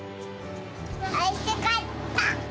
おいしかった！